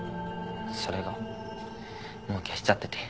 それがもう消しちゃってて。